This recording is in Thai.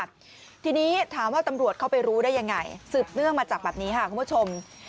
ทีนี้ถามว่าตำรวจเข้าไปรู้ได้ยังไงสืบเนื่องมาจากแบบนี้ค่ะคุณผู้ชม